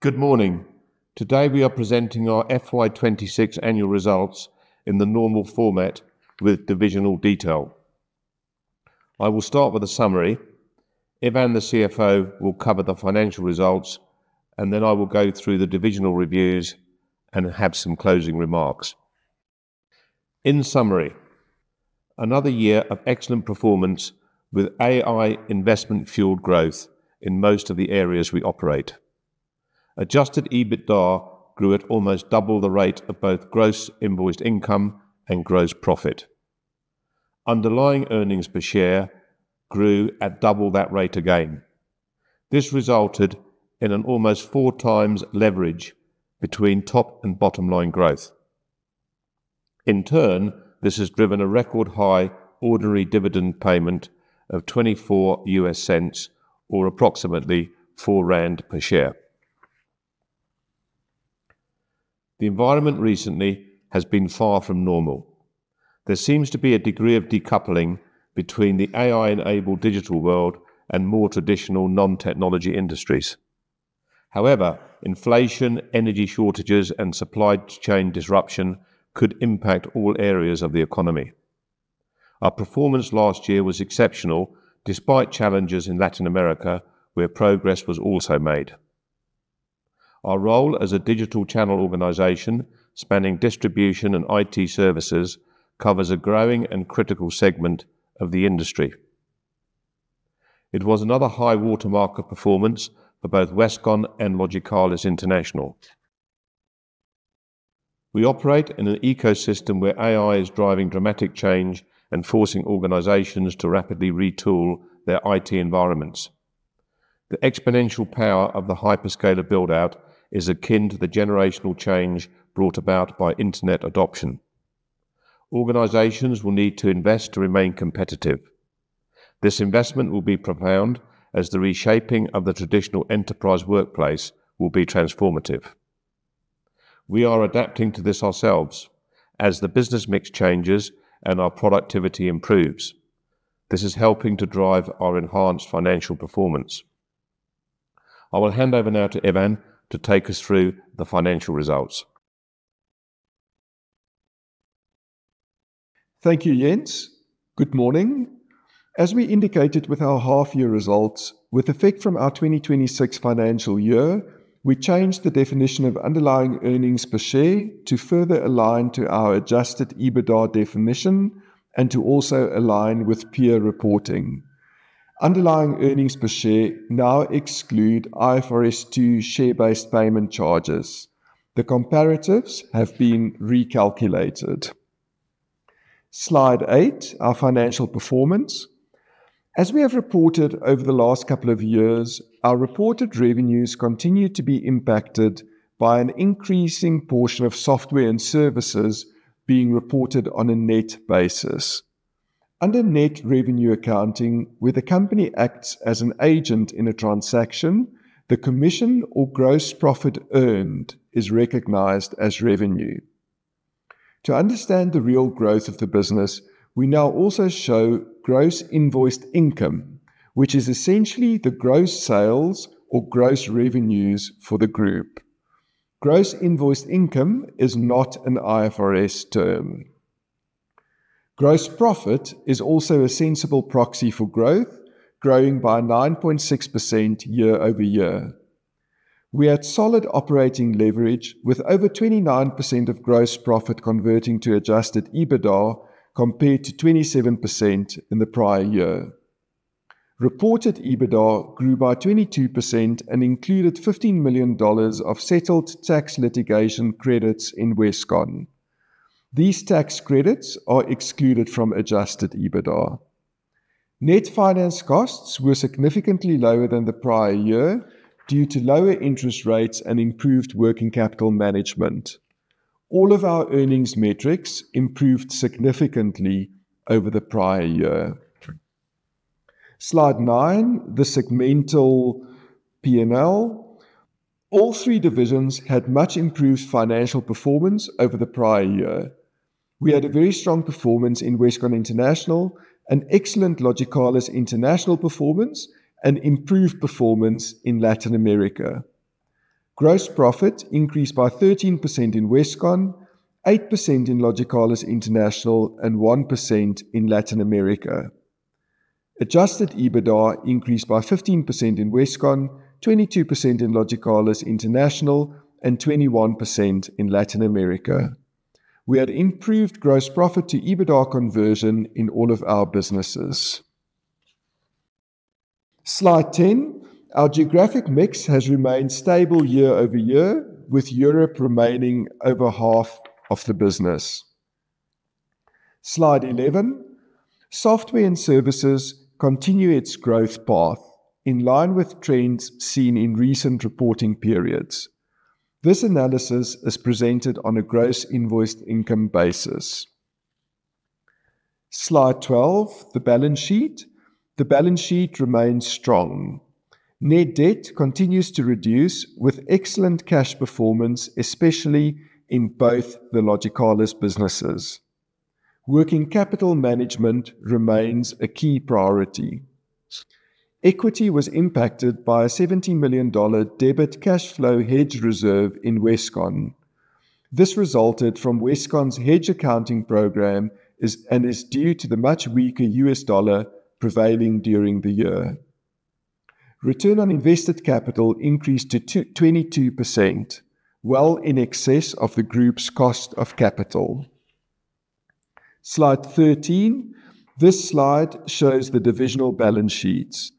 Good morning. Today, we are presenting our FY 2026 annual results in the normal format with divisional detail. I will start with a summary. Ivan, the CFO, will cover the financial results, and then I will go through the divisional reviews and have some closing remarks. In summary, another year of excellent performance with AI investment-fueled growth in most of the areas we operate. Adjusted EBITDA grew at almost double the rate of both gross invoiced income and gross profit. Underlying earnings per share grew at double that rate again. This resulted in an almost four times leverage between top and bottom-line growth. In turn, this has driven a record-high ordinary dividend payment of $0.24 or approximately 4 rand per share. The environment recently has been far from normal. There seems to be a degree of decoupling between the AI-enabled digital world and more traditional non-technology industries. However, inflation, energy shortages, and supply chain disruption could impact all areas of the economy. Our performance last year was exceptional, despite challenges in Latin America, where progress was also made. Our role as a digital channel organization spanning distribution and IT services covers a growing and critical segment of the industry. It was another high-water mark of performance for both Westcon and Logicalis International. We operate in an ecosystem where AI is driving dramatic change and forcing organizations to rapidly retool their IT environments. The exponential power of the hyperscaler build-out is akin to the generational change brought about by internet adoption. Organizations will need to invest to remain competitive. This investment will be profound as the reshaping of the traditional enterprise workplace will be transformative. We are adapting to this ourselves as the business mix changes and our productivity improves. This is helping to drive our enhanced financial performance. I will hand over now to Ivan to take us through the financial results. Thank you, Jens. Good morning. As we indicated with our half-year results, with effect from our 2026 financial year, we changed the definition of underlying earnings per share to further align to our adjusted EBITDA definition and to also align with peer reporting. Underlying earnings per share now exclude IFRS 2 share-based payment charges. The comparatives have been recalculated. Slide eight, our financial performance. As we have reported over the last couple of years, our reported revenues continue to be impacted by an increasing portion of software and services being reported on a net basis. Under net revenue accounting, where the company acts as an agent in a transaction, the commission or gross profit earned is recognized as revenue. To understand the real growth of the business, we now also show gross invoiced income, which is essentially the gross sales or gross revenues for the group. Gross invoiced income is not an IFRS term. Gross profit is also a sensible proxy for growth, growing by 9.6% year-over-year. We had solid operating leverage with over 29% of gross profit converting to adjusted EBITDA compared to 27% in the prior year. Reported EBITDA grew by 22% and included $15 million of settled tax litigation credits in Westcon. These tax credits are excluded from adjusted EBITDA. Net finance costs were significantly lower than the prior year due to lower interest rates and improved working capital management. All of our earnings metrics improved significantly over the prior year. Slide nine, the segmental P&L. All three divisions had much improved financial performance over the prior year. We had a very strong performance in Westcon International, an excellent Logicalis International performance, and improved performance in Latin America. Gross profit increased by 13% in Westcon, 8% in Logicalis International, and 1% in Latin America. Adjusted EBITDA increased by 15% in Westcon, 22% in Logicalis International, and 21% in Latin America. We had improved gross profit to EBITDA conversion in all of our businesses. Slide 10, our geographic mix has remained stable year-over-year, with Europe remaining over half of the business. Slide 11, software and services continue its growth path in line with trends seen in recent reporting periods. This analysis is presented on a gross invoiced income basis. Slide 12, the balance sheet. The balance sheet remains strong. Net debt continues to reduce with excellent cash performance, especially in both the Logicalis businesses. Working capital management remains a key priority. Equity was impacted by a $70 million debit cash flow hedge reserve in Westcon. This resulted from Westcon's hedge accounting program, and is due to the much weaker U.S. dollar prevailing during the year. Return on invested capital increased to 22%, well in excess of the group's cost of capital. Slide 13. This slide shows the divisional balance sheets.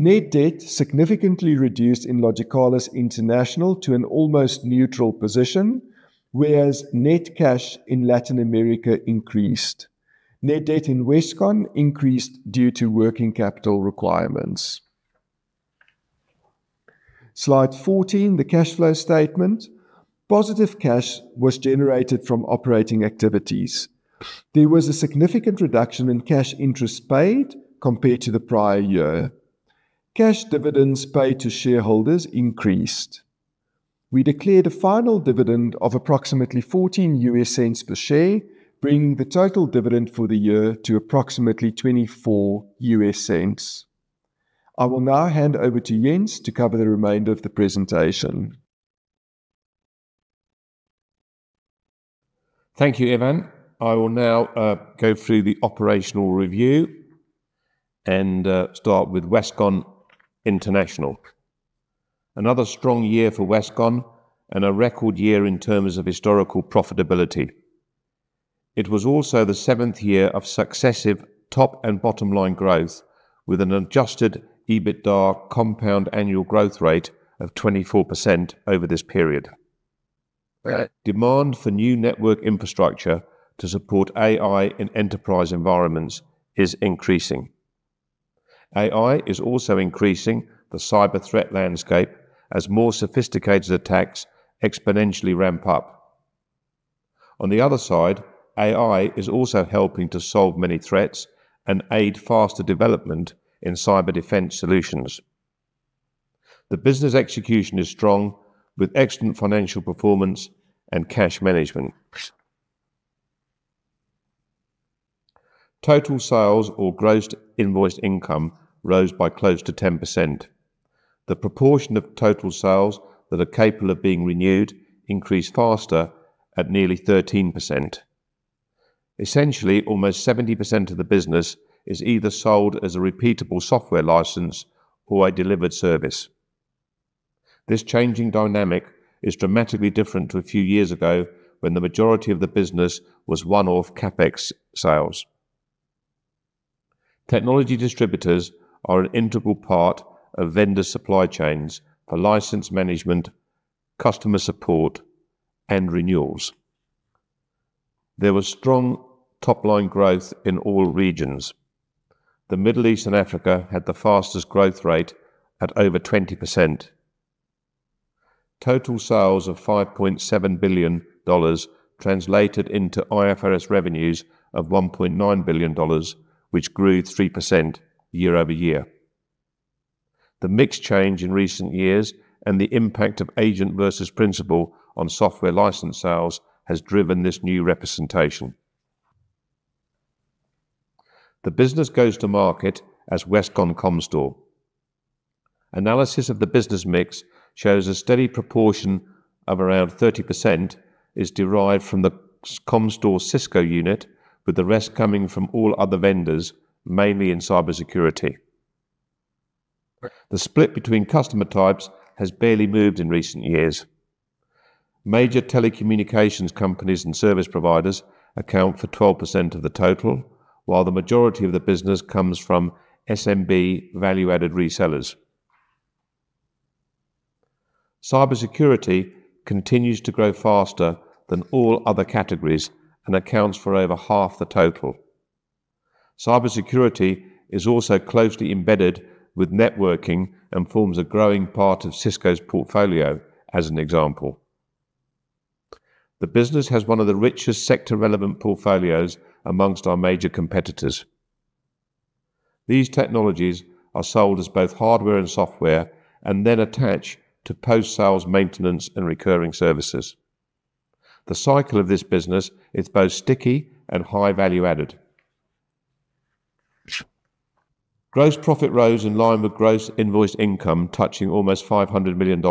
Net debt significantly reduced in Logicalis International to an almost neutral position, whereas net cash in Latin America increased. Net debt in Westcon increased due to working capital requirements. Slide 14, the cash flow statement. Positive cash was generated from operating activities. There was a significant reduction in cash interest paid compared to the prior year. Cash dividends paid to shareholders increased. We declared a final dividend of approximately $0.14 per share, bringing the total dividend for the year to approximately $0.24. I will now hand over to Jens to cover the remainder of the presentation. Thank you, Ivan. I will now go through the operational review and start with Westcon International. Another strong year for Westcon and a record year in terms of historical profitability. It was also the seventh year of successive top and bottom-line growth, with an adjusted EBITDA compound annual growth rate of 24% over this period. Demand for new network infrastructure to support AI in enterprise environments is increasing. AI is also increasing the cyber threat landscape as more sophisticated attacks exponentially ramp up. On the other side, AI is also helping to solve many threats and aid faster development in cyber defense solutions. The business execution is strong with excellent financial performance and cash management. Total sales or gross invoiced income rose by close to 10%. The proportion of total sales that are capable of being renewed increased faster at nearly 13%. Essentially, almost 70% of the business is either sold as a repeatable software license or a delivered service. This changing dynamic is dramatically different to a few years ago when the majority of the business was one-off CapEx sales. Technology distributors are an integral part of vendor supply chains for license management, customer support, and renewals. There was strong top-line growth in all regions. The Middle East and Africa had the fastest growth rate at over 20%. Total sales of $5.7 billion translated into IFRS revenues of $1.9 billion, which grew 3% year-over-year. The mix change in recent years and the impact of agent versus principal on software license sales has driven this new representation. The business goes to market as Westcon-Comstor. Analysis of the business mix shows a steady proportion of around 30% is derived from the Comstor Cisco unit, with the rest coming from all other vendors, mainly in cybersecurity. The split between customer types has barely moved in recent years. Major telecommunications companies and service providers account for 12% of the total, while the majority of the business comes from SMB value-added resellers. Cybersecurity continues to grow faster than all other categories and accounts for over half the total. Cybersecurity is also closely embedded with networking and forms a growing part of Cisco's portfolio, as an example. The business has one of the richest sector-relevant portfolios amongst our major competitors. These technologies are sold as both hardware and software, and then attached to post-sales maintenance and recurring services. The cycle of this business is both sticky and high value-added. Gross profit rose in line with gross invoiced income touching almost $500 million.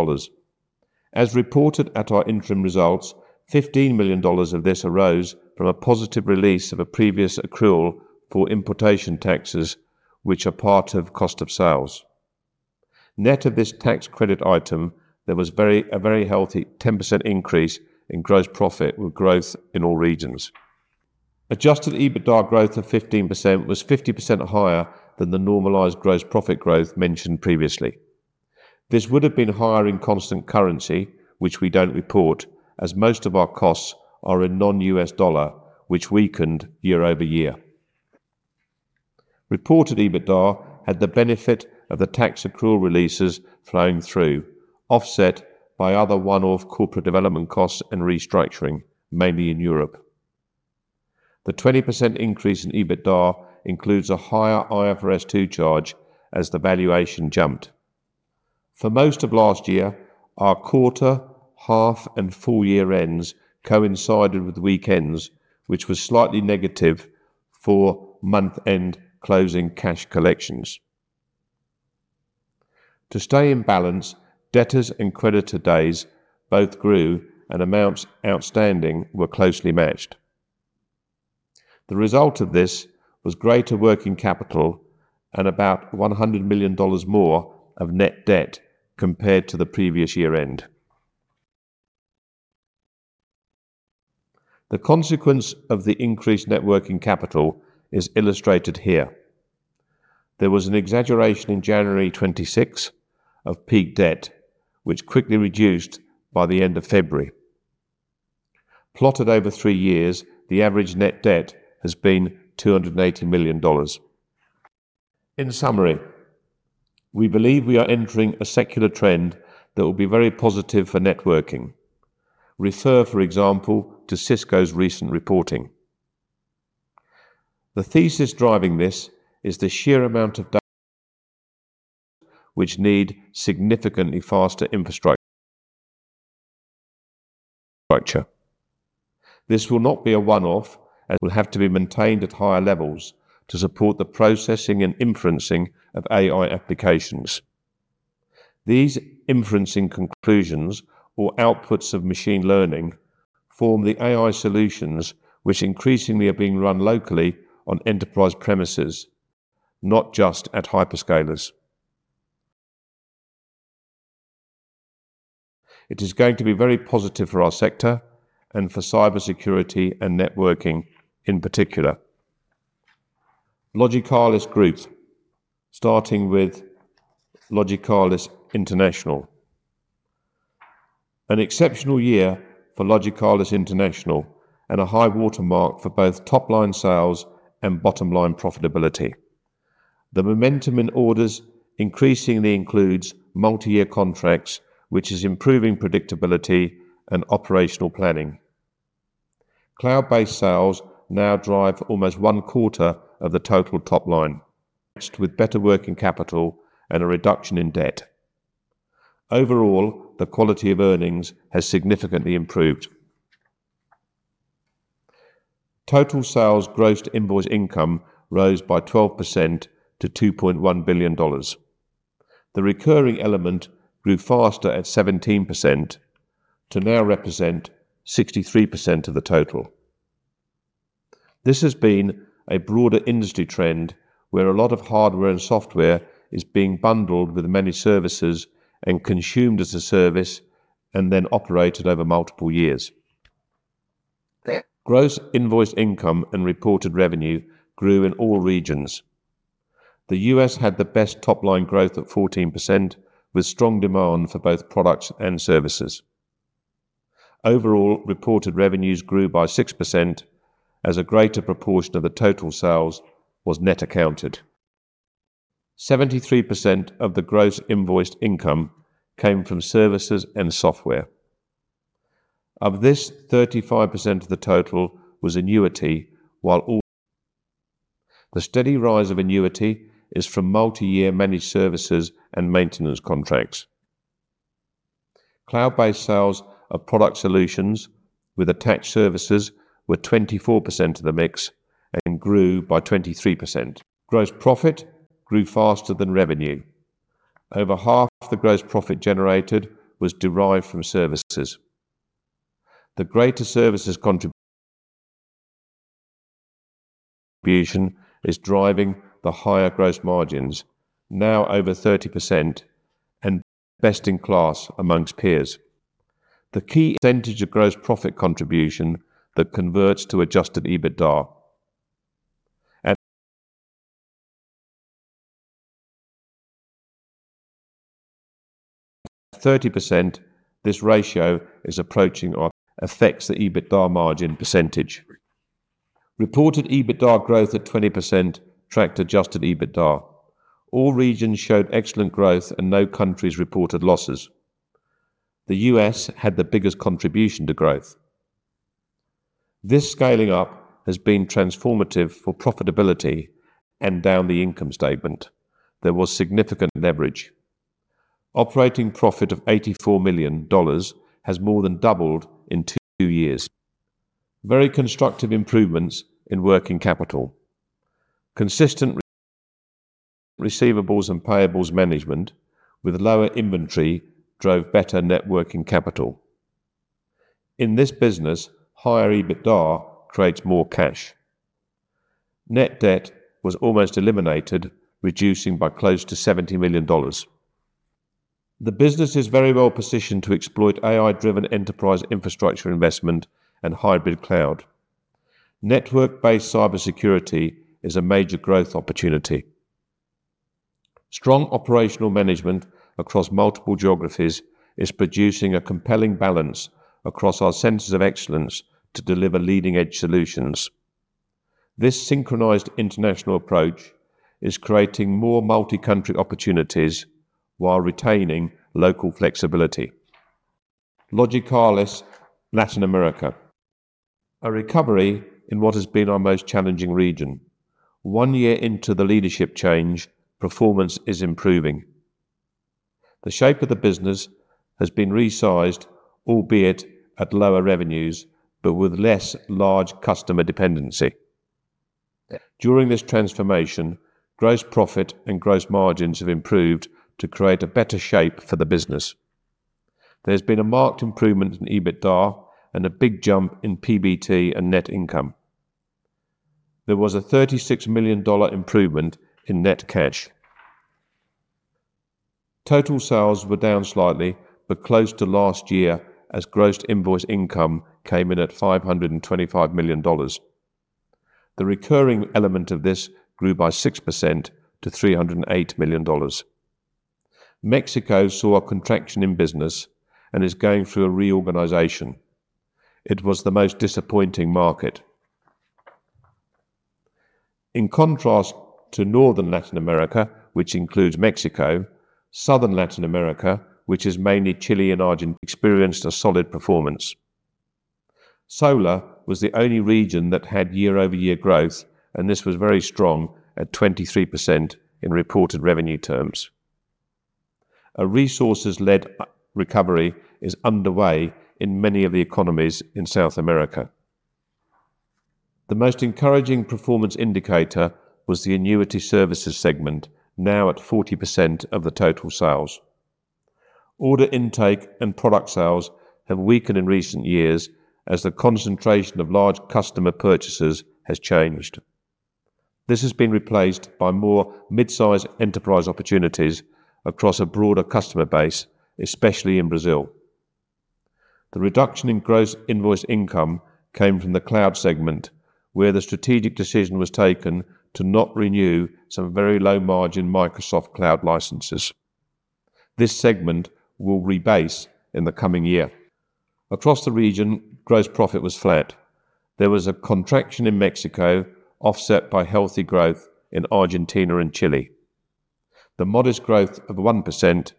As reported at our interim results, $15 million of this arose from a positive release of a previous accrual for importation taxes, which are part of cost of sales. Net of this tax credit item, there was a very healthy 10% increase in gross profit with growth in all regions. Adjusted EBITDA growth of 15% was 50% higher than the normalized gross profit growth mentioned previously. This would have been higher in constant currency, which we don't report, as most of our costs are in non-U.S. dollar, which weakened year-over-year. Reported EBITDA had the benefit of the tax accrual releases flowing through, offset by other one-off corporate development costs and restructuring, mainly in Europe. The 20% increase in EBITDA includes a higher IFRS 2 charge as the valuation jumped. For most of last year, our quarter, half, and full-year ends coincided with weekends, which were slightly negative for month-end closing cash collections. To stay in balance, debtors and creditor days both grew, and amounts outstanding were closely matched. The result of this was greater working capital and about $100 million more of net debt compared to the previous year-end. The consequence of the increased net working capital is illustrated here. There was an exaggeration in January 2026 of peak debt, which quickly reduced by the end of February. Plotted over three years, the average net debt has been $280 million. In summary, we believe we are entering a secular trend that will be very positive for networking. Refer, for example, to Cisco's recent reporting. The thesis driving this is the sheer amount of data which need significantly faster infrastructure. This will not be a one-off, as it will have to be maintained at higher levels to support the processing and inferencing of AI applications. These inferencing conclusions or outputs of machine learning form the AI solutions, which increasingly are being run locally on enterprise premises, not just at hyperscalers. It is going to be very positive for our sector, and for cybersecurity and networking in particular. Logicalis Group, starting with Logicalis International. An exceptional year for Logicalis International, and a high-water mark for both top-line sales and bottom-line profitability. The momentum in orders increasingly includes multi-year contracts, which is improving predictability and operational planning. Cloud-based sales now drive almost one-quarter of the total top line, with better working capital and a reduction in debt. Overall, the quality of earnings has significantly improved. Total sales gross invoiced income rose by 12% to $2.1 billion. The recurring element grew faster at 17%, to now represent 63% of the total. This has been a broader industry trend where a lot of hardware and software is being bundled with managed services and consumed as a service, and then operated over multiple years. Gross invoiced income and reported revenue grew in all regions. The U.S. had the best top-line growth at 14%, with strong demand for both products and services. Overall, reported revenues grew by 6% as a greater proportion of the total sales was net accounted. 73% of the gross invoiced income came from services and software. Of this, 35% of the total was annuity. The steady rise of annuity is from multi-year managed services and maintenance contracts. Cloud-based sales of product solutions with attached services were 24% of the mix and grew by 23%. Gross profit grew faster than revenue. Over half the gross profit generated was derived from services. The greater services contribution is driving the higher gross margins, now over 30% and best in class amongst peers. The key percentage of gross profit contribution that converts to adjusted EBITDA. At 30%, this ratio is approaching our effects to EBITDA margin percentage. Reported EBITDA growth at 20% tracked adjusted EBITDA. All regions showed excellent growth and no countries reported losses. The U.S. had the biggest contribution to growth. This scaling up has been transformative for profitability and down the income statement. There was significant leverage. Operating profit of $84 million has more than doubled in two years. Very constructive improvements in working capital. Consistent receivables and payables management with lower inventory drove better net working capital. In this business, higher EBITDA creates more cash. Net debt was almost eliminated, reducing by close to $70 million. The business is very well positioned to exploit AI-driven enterprise infrastructure investment and hybrid cloud. Network-based cybersecurity is a major growth opportunity. Strong operational management across multiple geographies is producing a compelling balance across our centers of excellence to deliver leading-edge solutions. This synchronized international approach is creating more multi-country opportunities while retaining local flexibility. Logicalis Latin America. A recovery in what has been our most challenging region. One year into the leadership change, performance is improving. The shape of the business has been resized, albeit at lower revenues, but with less large customer dependency. During this transformation, gross profit and gross margins have improved to create a better shape for the business. There has been a marked improvement in EBITDA and a big jump in PBT and net income. There was a $36 million improvement in net cash. Total sales were down slightly, but close to last year as gross invoiced income came in at $525 million. The recurring element of this grew by 6% to $308 million. Mexico saw a contraction in business and is going through a reorganization. It was the most disappointing market. In contrast to Northern Latin America, which includes Mexico, Southern Latin America, which is mainly Chile and Argentina, experienced a solid performance. Solar was the only region that had year-over-year growth, and this was very strong at 23% in reported revenue terms. A resources-led recovery is underway in many of the economies in South America. The most encouraging performance indicator was the annuity services segment, now at 40% of the total sales. Order intake and product sales have weakened in recent years as the concentration of large customer purchases has changed. This has been replaced by more mid-size enterprise opportunities across a broader customer base, especially in Brazil. The reduction in gross invoiced income came from the cloud segment, where the strategic decision was taken to not renew some very low-margin Microsoft cloud licenses. This segment will rebase in the coming year. Across the region, gross profit was flat. There was a contraction in Mexico, offset by healthy growth in Argentina and Chile. The modest growth of 1%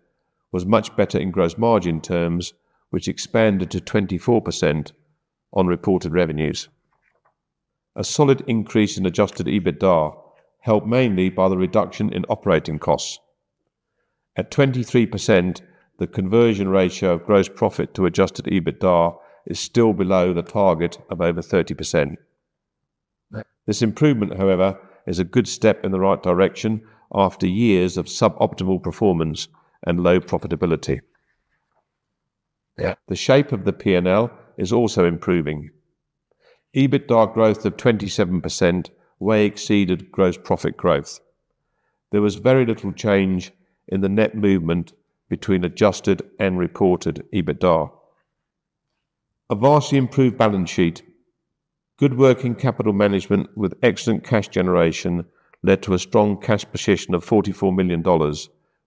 was much better in gross margin terms, which expanded to 24% on reported revenues. A solid increase in adjusted EBITDA helped mainly by the reduction in operating costs. At 23%, the conversion ratio of gross profit to adjusted EBITDA is still below the target of over 30%. This improvement, however, is a good step in the right direction after years of suboptimal performance and low profitability. The shape of the P&L is also improving. EBITDA growth of 27% way exceeded gross profit growth. There was very little change in the net movement between adjusted and recorded EBITDA. A vastly improved balance sheet, good working capital management with excellent cash generation led to a strong cash position of $44 million,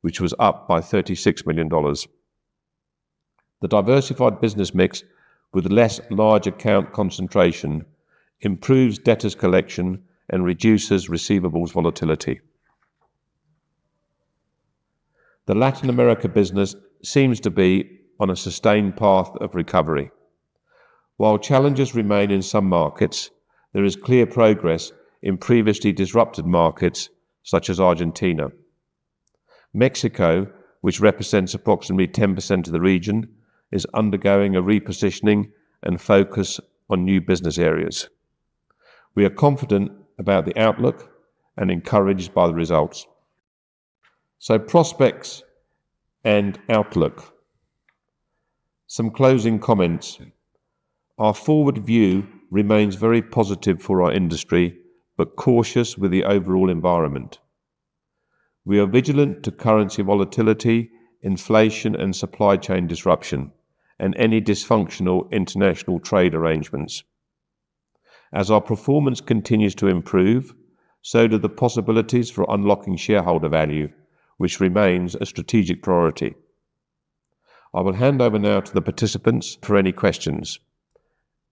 which was up by $36 million. The diversified business mix with less large account concentration improves debtors collection and reduces receivables volatility. The Latin America business seems to be on a sustained path of recovery. While challenges remain in some markets, there is clear progress in previously disrupted markets such as Argentina. Mexico, which represents approximately 10% of the region, is undergoing a repositioning and focus on new business areas. We are confident about the outlook and encouraged by the results. Prospects and outlook. Some closing comments. Our forward view remains very positive for our industry, but cautious with the overall environment. We are vigilant to currency volatility, inflation, and supply chain disruption, and any dysfunctional international trade arrangements. As our performance continues to improve, so do the possibilities for unlocking shareholder value, which remains a strategic priority. I will hand over now to the participants for any questions,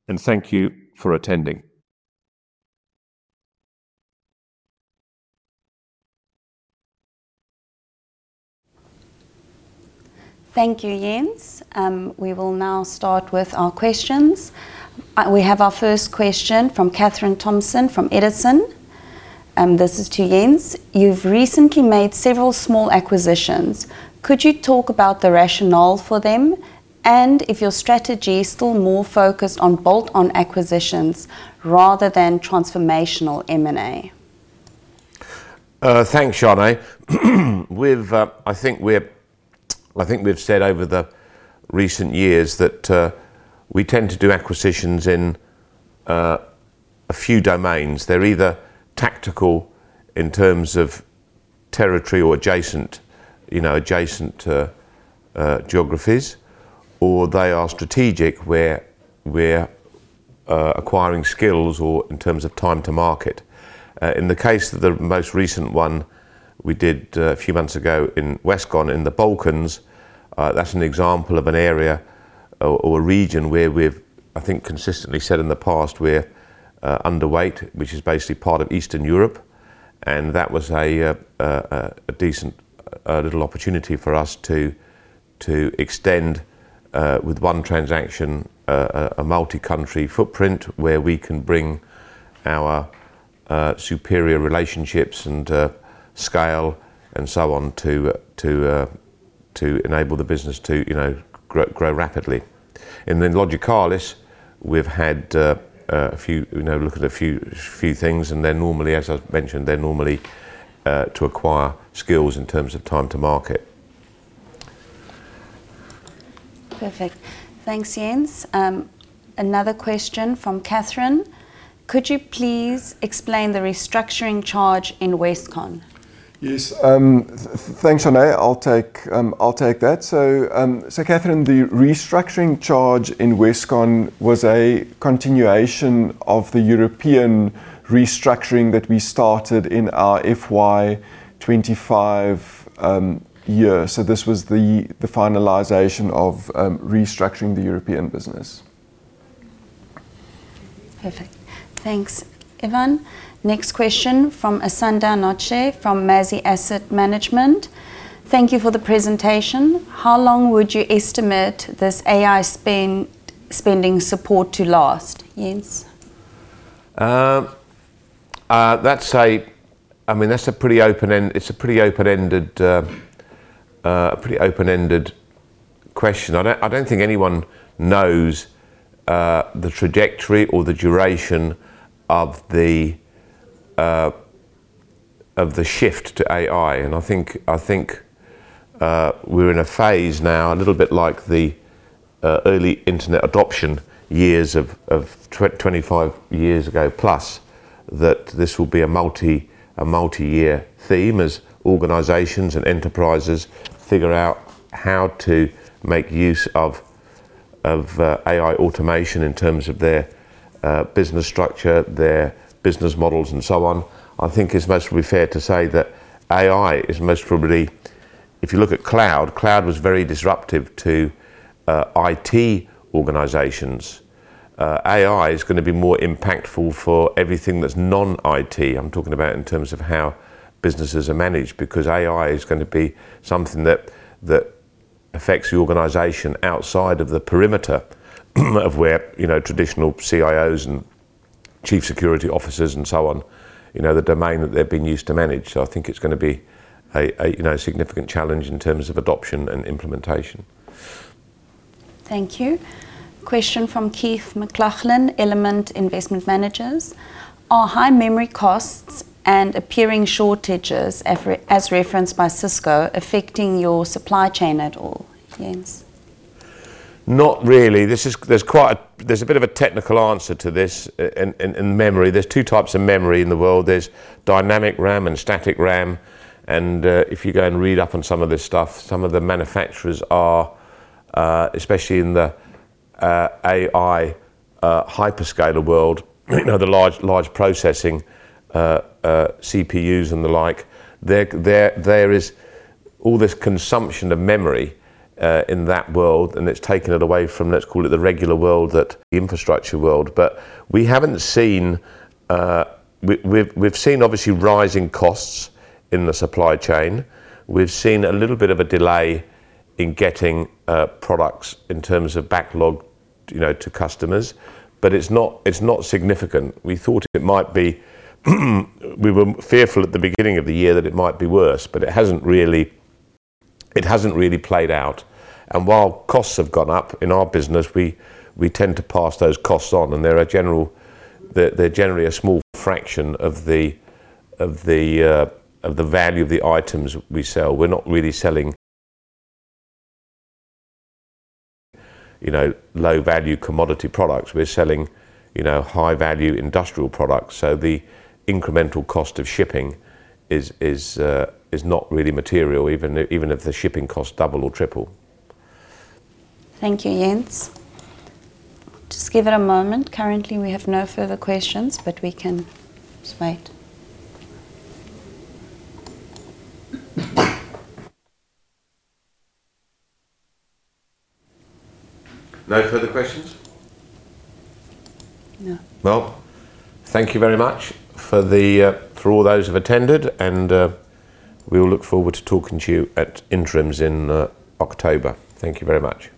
and thank you for attending. Thank you, Jens. We will now start with our questions. We have our first question from Katherine Thompson from Edison, and this is to Jens. You've recently made several small acquisitions. Could you talk about the rationale for them and if your strategy is still more focused on bolt-on acquisitions rather than transformational M&A? Thanks, Sharna. I think we've said over the recent years that we tend to do acquisitions in a few domains. They're either tactical in terms of territory or adjacent geographies, or they are strategic, where we're acquiring skills or in terms of time to market. In the case of the most recent one we did a few months ago in Westcon in the Balkans, that's an example of an area or a region where we've, I think, consistently said in the past we're. Underweight, which is basically part of Eastern Europe. That was a decent little opportunity for us to extend, with one transaction, a multi-country footprint where we can bring our superior relationships and scale and so on to enable the business to grow rapidly. In Logicalis, we've had a look at a few things. Normally, as I've mentioned, they're normally to acquire skills in terms of time to market. Perfect. Thanks, Jens. Another question from Katherine. Could you please explain the restructuring charge in Westcon? Yes. Thanks, Sharna. I'll take that. Katherine, the restructuring charge in Westcon was a continuation of the European restructuring that we started in our FY 2025 year. This was the finalization of restructuring the European business. Perfect. Thanks, Ivan. Next question from Asanda Notshe from Mazi Asset Management. Thank you for the presentation. How long would you estimate this AI spending support to last? Jens. It's a pretty open-ended question. I don't think anyone knows the trajectory or the duration of the shift to AI. I think we're in a phase now, a little bit like the early internet adoption years of 25 years ago plus, that this will be a multi-year theme as organizations and enterprises figure out how to make use of AI automation in terms of their business structure, their business models, and so on. I think it's most fair to say that AI is most probably, if you look at cloud was very disruptive to IT organizations. AI is going to be more impactful for everything that's non-IT. I'm talking about in terms of how businesses are managed because AI is going to be something that affects the organization outside of the perimeter of where traditional CIOs and chief security officers and so on, the domain that they've been used to manage. I think it's going to be a significant challenge in terms of adoption and implementation. Thank you. Question from Keith McLachlan, Element Investment Managers. Are high memory costs and appearing shortages, as referenced by Cisco, affecting your supply chain at all? Jens. Not really. There's a bit of a technical answer to this in memory. There's two types of memory in the world. There's dynamic RAM and static RAM, and if you go and read up on some of this stuff, some of the manufacturers are, especially in the AI hyperscaler world, the large processing CPUs and the like, there is all this consumption of memory in that world, and it's taken it away from, let's call it the regular world, that infrastructure world. We've seen, obviously, rising costs in the supply chain. We've seen a little bit of a delay in getting products in terms of backlog to customers. It's not significant. We were fearful at the beginning of the year that it might be worse, but it hasn't really played out. While costs have gone up in our business, we tend to pass those costs on, and they're generally a small fraction of the value of the items we sell. We're not really selling low-value commodity products. We're selling high-value industrial products. So the incremental cost of shipping is not really material, even if the shipping costs double or triple. Thank you, Jens. Just give it a moment. Currently, we have no further questions, but we can just wait. No further questions? No. Well, thank you very much for all those who've attended, and we look forward to talking to you at Interims in October. Thank you very much.